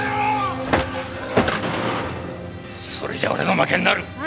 それじゃ俺の負けになる！